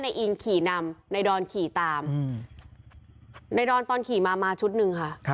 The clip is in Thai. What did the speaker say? นายอีนขี่นำนายดอนขี่ตามนายดอนตอนขี่มามาชุดหนึ่งค่ะ